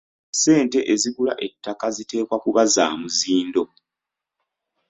Ssente ezigula ettaka ziteekwa kuba za muzindo.